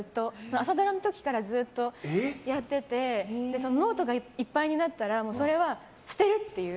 朝ドラの時からずっとやっててノートがいっぱいになったらそれは捨てるっていう。